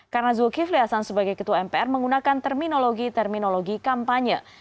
karena zulkifli hasan sebagai ketua mpr menggunakan terminologi terminologi kampanye